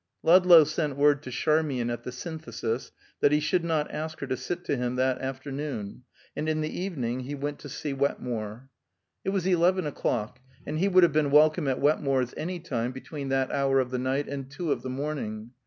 Ludlow sent word to Charmian at the Synthesis that he should not ask her to sit to him that afternoon, and in the evening he went to see Wetmore. It was eleven o'clock, and he would have been welcome at Wetmore's any time between that hour of the night and two of the morning.